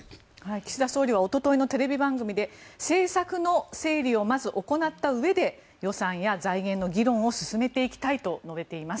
岸田総理はおとといのテレビ番組で政策の整理をまず行ったうえで予算や財源の議論を進めていきたいと述べています。